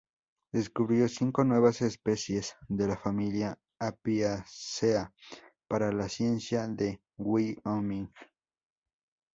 Descubrió cinco nuevas especies de la familia Apiaceae, para la ciencia, de Wyoming.